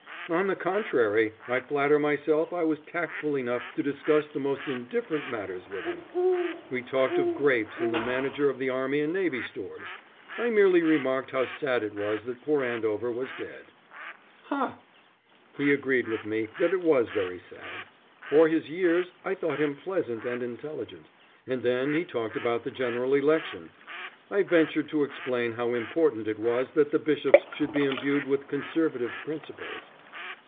"On the contrary, I flatter myself I was tactful enough to discuss the most indifferent matters with him. We talked of grapes and the Manager of the Army and Navy Stores. I merely remarked how sad it was that poor Andover was dead." "Ha!" "He agreed with me that it was very sad. For his years I thought him pleasant and intelligent. And then he talked about the General Election. I ventured to explain how important it was that the bishops should be imbued with Conservative principles."